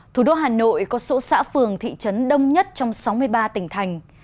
thủ đô hà nội có số xã phường thị trấn đông nhất trong sáu mươi ba tỉnh thành